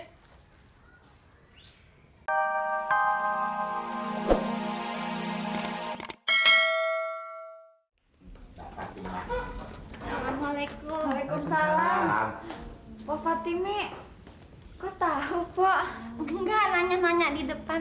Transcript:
assalamualaikum waalaikumsalam pak fatimi kok tahu pak enggak nanya nanya di depan